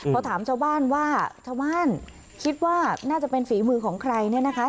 พอถามชาวบ้านว่าชาวบ้านคิดว่าน่าจะเป็นฝีมือของใครเนี่ยนะคะ